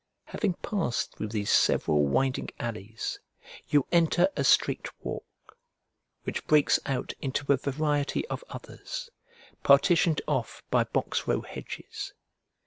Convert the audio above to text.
Having passed through these several winding alleys, you enter a straight walk, which breaks out into a variety of others, partitioned off by box row hedges.